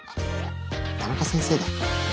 田中先生だ！